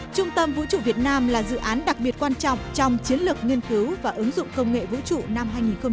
trung tâm vũ trụ việt nam là dự án đặc biệt quan trọng trong chiến lược nghiên cứu và ứng dụng công nghệ vũ trụ năm hai nghìn hai mươi